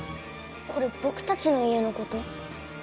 これ僕たちの家の事？